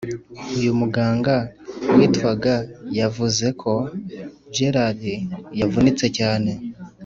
Uyu muganga witwa yavuze ko Gerrard yavunitse cyane